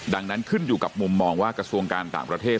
ดังนั้นขึ้นอยู่กับมุมมองว่ากระทรวงการต่างประเทศ